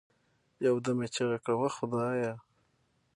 يو دم يې چيغه كړه وه خدايه!